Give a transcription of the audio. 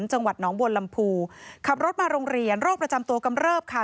จังหวัดน้องบัวลำพูขับรถมาโรงเรียนโรคประจำตัวกำเริบค่ะ